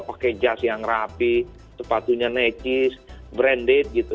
pakai jas yang rapi sepatunya necis branded gitu